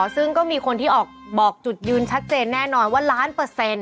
ซึ่งก็มีคนที่ออกบอกจุดยืนชัดเจนแน่นอนว่าล้านเปอร์เซ็นต